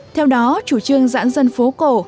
theo đó chủ trương giãn dân phố cổ